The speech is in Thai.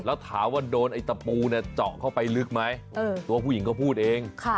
แล้วถามว่าโดนไอ้ตะปูเนี่ยเจาะเข้าไปลึกไหมตัวผู้หญิงเขาพูดเอง